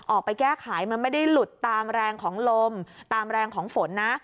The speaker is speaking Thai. ออกไปแก้ไขมันไม่ได้หลุดตามแรงของลมตามแรงของฝนนะ